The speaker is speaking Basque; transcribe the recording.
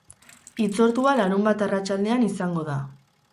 Hitzordua larunbat arratsaldean izango da.